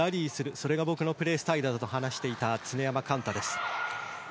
それが僕のプレースタイルと話していた常山幹太です。